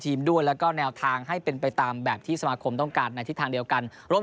ด้วยแล้วก็แนวทางให้เป็นไปตามแบบที่สมาคมต้องการในทิศทางเดียวกันร่วม